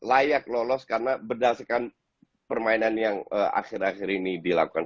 layak lolos karena berdasarkan permainan yang akhir akhir ini dilakukan